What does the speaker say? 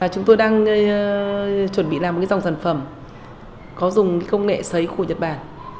chúng tôi đang chuẩn bị làm một dòng sản phẩm có dùng công nghệ xấy khu nhật bản